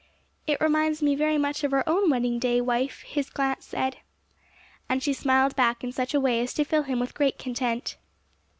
"It reminds me very much of our own wedding day, wife," his glance said. And she smiled back in such a way as to fill him with great content.